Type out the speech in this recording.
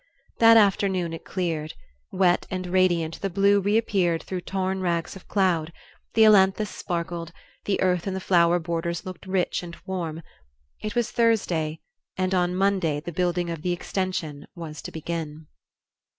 That afternoon it cleared. Wet and radiant the blue reappeared through torn rags of cloud; the ailanthus sparkled; the earth in the flower borders looked rich and warm. It was Thursday, and on Monday the building of the extension was to begin.